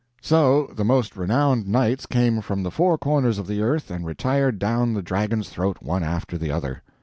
So the most renowned knights came from the four corners of the earth and retired down the dragon's throat one after the other.